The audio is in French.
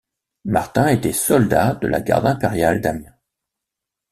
Martin était soldat de la garde impériale d'Amiens.